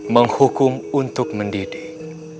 menghukum untuk mendidik